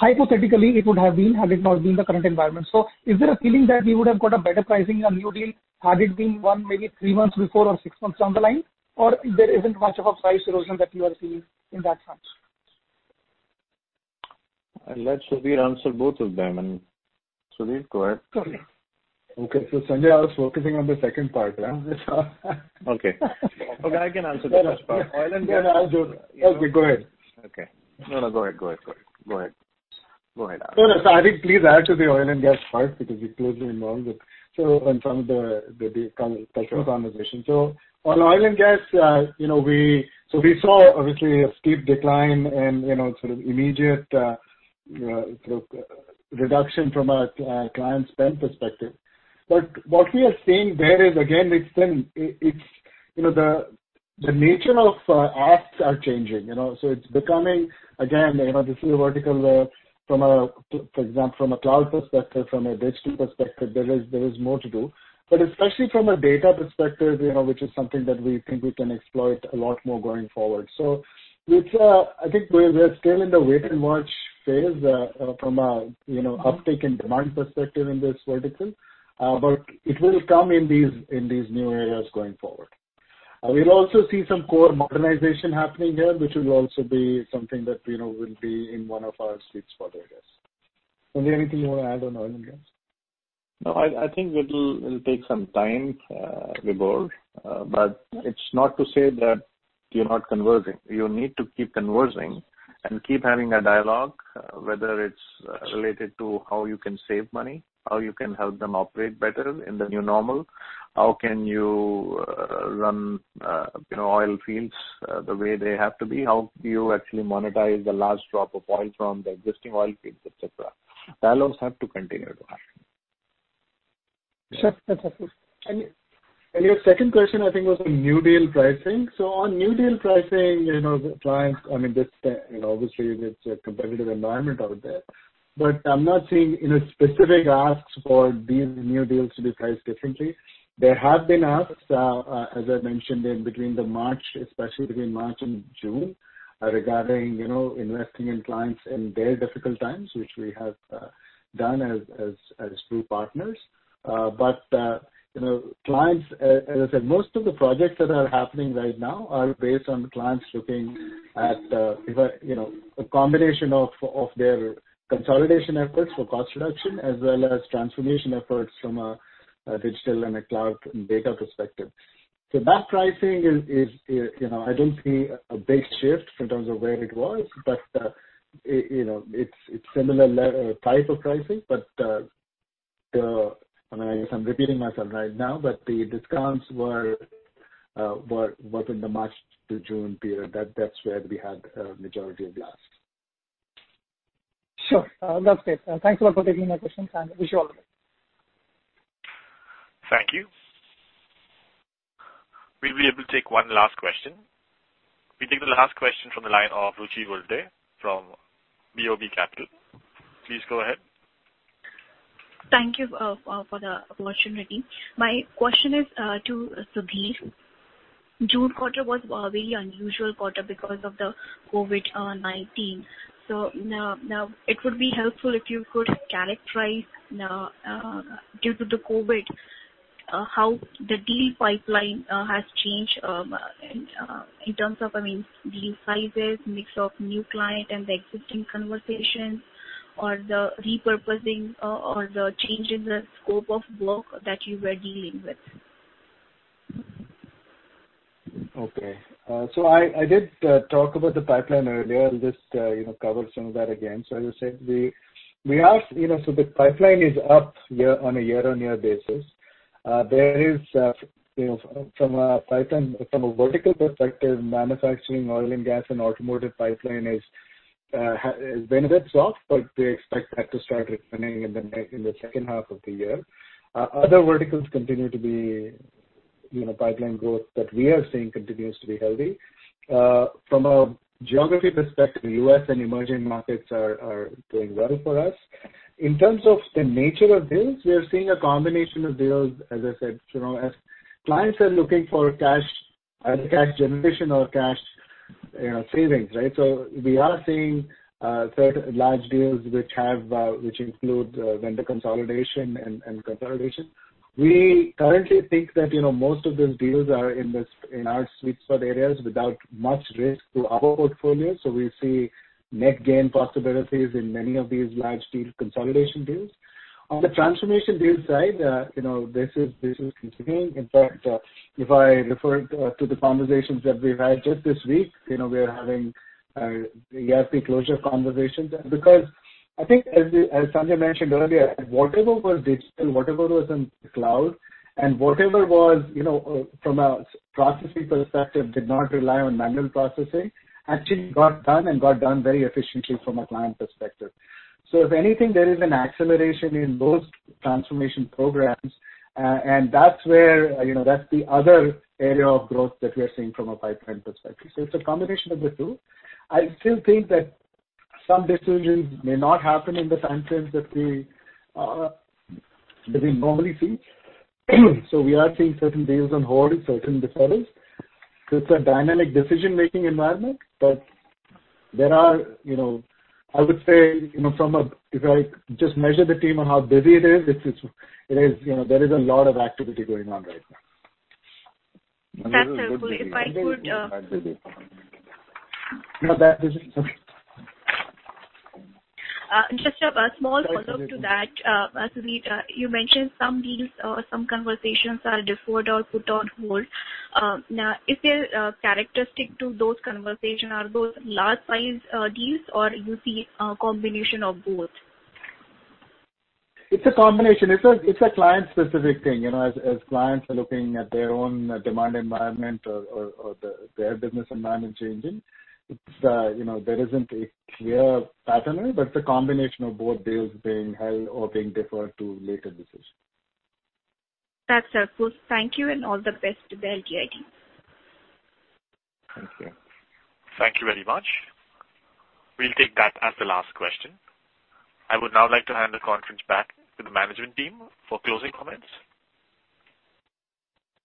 hypothetically it would have been, had it not been the current environment? Is there a feeling that we would have got a better pricing on new deal, had it been won maybe three months before or six months down the line, or there isn't much of a price erosion that you are seeing in that sense? I'll let Sudhir answer both of them. Sudhir, go ahead. Sorry. Okay, Sanjay, I was focusing on the second part. Okay. I can answer the first part. Okay, go ahead. Okay. No, go ahead. I think please add to the oil and gas part because we're closely involved with some of the discussion conversation. On oil and gas, we saw obviously a steep decline and sort of immediate reduction from a client spend perspective. What we are seeing there is, again, it's the nature of asks are changing. It's becoming, again, this is a vertical from a cloud perspective, from a digital perspective, there is more to do. Especially from a data perspective, which is something that we think we can exploit a lot more going forward. I think we're still in the wait and watch phase from an uptake and demand perspective in this vertical. It will come in these new areas going forward. We'll also see some core modernization happening here, which will also be something that will be in one of our sweet spot areas. Sanjay, anything you want to add on oil and gas? No, I think it'll take some time, Vibhor. It's not to say that you're not conversing. You need to keep conversing and keep having a dialogue, whether it's related to how you can save money, how you can help them operate better in the new normal, how can you run oil fields the way they have to be, how do you actually monetize the last drop of oil from the existing oil fields, et cetera. Dialogues have to continue to happen. Sure. That's helpful. Your second question, I think, was on new deal pricing. On new deal pricing, the clients, I mean, obviously it's a competitive environment out there. I'm not seeing specific asks for these new deals to be priced differently. There have been asks, as I mentioned, in between the March, especially between March and June, regarding investing in clients in very difficult times, which we have done as true partners. Clients, as I said, most of the projects that are happening right now are based on clients looking at a combination of their consolidation efforts for cost reduction as well as transformation efforts from a digital and a cloud and data perspective. That pricing, I don't see a big shift in terms of where it was, but it's similar type of pricing. I guess I'm repeating myself right now, but the discounts were up in the March to June period. That's where we had a majority of the asks. Sure. That's great. Thanks a lot for taking my questions, and wish you all the best. Thank you. We'll be able to take one last question. We take the last question from the line of Ruchi Burde from BoB Capital. Please go ahead. Thank you for the opportunity. My question is to Sudhir. June quarter was a very unusual quarter because of the COVID-19. Now it would be helpful if you could characterize now, due to the COVID, how the deal pipeline has changed in terms of, I mean, deal sizes, mix of new client and the existing conversations, or the repurposing or the change in the scope of work that you were dealing with. Okay. I did talk about the pipeline earlier. I'll just cover some of that again. As I said, the pipeline is up on a year-on-year basis. From a vertical perspective, manufacturing, oil and gas, and automotive pipeline has been a bit soft, but we expect that to start recovering in the second half of the year. Other verticals pipeline growth that we are seeing continues to be healthy. From a geography perspective, U.S. and emerging markets are doing well for us. In terms of the nature of deals, we are seeing a combination of deals, as I said. As clients are looking for cash generation or cash savings, right? We are seeing large deals which include vendor consolidation and consolidation. We currently think that most of those deals are in our sweet spot areas without much risk to our portfolio. We see net gain possibilities in many of these large deal consolidation deals. On the transformation deal side, this is continuing. In fact, if I refer to the conversations that we've had just this week, we are having ERP closure conversations. Because I think, as Sanjay mentioned earlier, whatever was digital, whatever was in cloud, and whatever was, from a processing perspective, did not rely on manual processing, actually got done and got done very efficiently from a client perspective. If anything, there is an acceleration in those transformation programs, and that's the other area of growth that we are seeing from a pipeline perspective. It's a combination of the two. I still think that some decisions may not happen in the time frames that we normally see. We are seeing certain deals on hold, certain deferrals. It's a dynamic decision-making environment, but I would say, if I just measure the team on how busy it is, there is a lot of activity going on right now. That's helpful. No, that is okay. Just a small follow-up to that. Sudhir, you mentioned some deals or some conversations are deferred or put on hold. Is there a characteristic to those conversations? Are those large size deals, or you see a combination of both? It's a combination. It's a client-specific thing. As clients are looking at their own demand environment or their business environment changing. There isn't a clear pattern, but it's a combination of both deals being held or being deferred to a later decision. That's helpful. Thank you, and all the best to the LTI team. Thank you. Thank you very much. We'll take that as the last question. I would now like to hand the conference back to the management team for closing comments.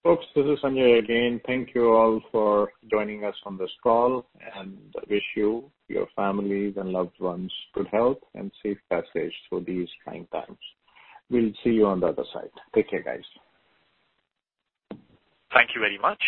Folks, this is Sanjay again. Thank you all for joining us on this call, and wish you, your families, and loved ones good health and safe passage through these trying times. We'll see you on the other side. Take care, guys. Thank you very much.